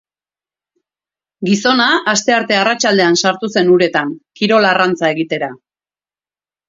Gizona astearte arratsaldean sartu zen uretan, kirol-arrantza egitera.